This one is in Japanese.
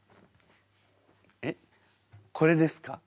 えっこれですか？